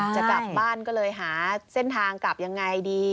จะกลับบ้านก็เลยหาเส้นทางกลับยังไงดี